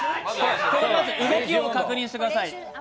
動きを確認してください。